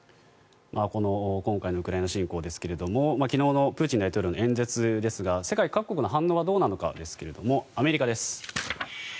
今回のウクライナ侵攻ですが昨日のプーチン大統領の演説ですが世界各国の反応ですがアメリカです。